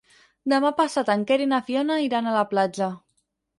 Demà passat en Quer i na Fiona iran a la platja.